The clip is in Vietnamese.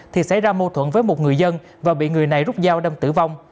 thì xảy ra mâu thuẫn với một người dân và bị người này rút dao đâm tử vong